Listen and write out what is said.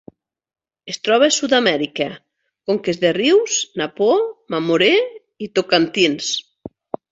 Es troba a Sud-amèrica: conques dels rius Napo, Mamoré i Tocantins.